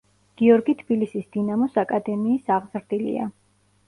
გიორგი თბილისის „დინამოს“ აკადემიის აღზრდილია.